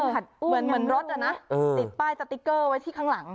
เหมือนรถอ่ะนะติดป้ายสติ๊กเกอร์ไว้ที่ข้างหลัง